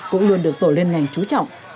cũng luôn được tổ lên ngành trú trọng